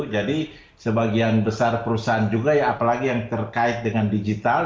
jadi sebagian besar perusahaan juga ya apalagi yang terkait dengan digital